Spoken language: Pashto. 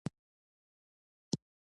کندهار د افغانستان د اقلیم ځانګړتیا ده.